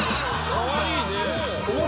かわいいね。